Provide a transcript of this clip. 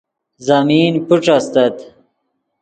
زمین پیݯ استت